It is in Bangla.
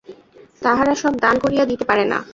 তাহারা সব দান করিয়া দিতে পারে না।